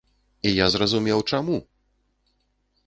І я зразумеў, чаму!